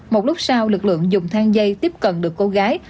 một lúc sau lực lượng dùng thang dây tiếp cận được cô gái